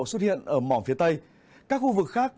xuất hiện ở mỏ phía tây các khu vực khác